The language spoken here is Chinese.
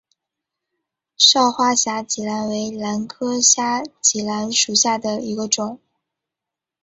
少花虾脊兰为兰科虾脊兰属下的一个种。